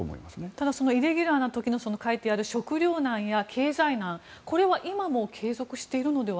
ただイレギュラーな時に書いてある食糧難や経済難は今も継続していますよね。